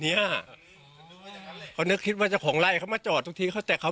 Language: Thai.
เนี้ยเขานึกคิดว่าเจ้าของไล่เขามาจอดทุกทีเขาแต่เขา